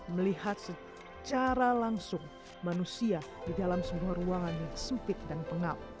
melihat secara langsung manusia di dalam sebuah ruangan yang sempit dan pengap